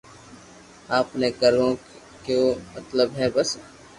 آپ ني ڪوم ميون مطلب ھي بس